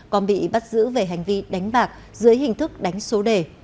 còn bị bắt giữ về hành vi đánh bạc dưới hình thức đánh số đề